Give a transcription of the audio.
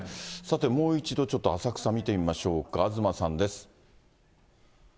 さてもう一度ちょっと浅草見てみましょうか、東さんです。